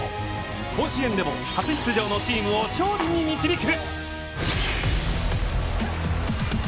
甲子園でも初出場のチームを勝利に導く！